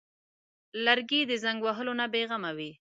لرګی د زنګ وهلو نه بېغمه وي.